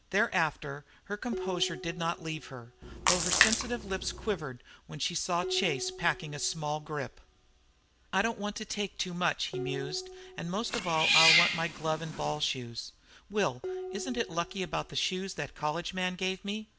Thereafter her composure did not leave her, though her sensitive lips quivered when she saw Chase packing a small grip. "I don't want to take much," he mused, "and most of all I'll want my glove and ball shoes. Will, isn't it lucky about the shoes that college man gave me?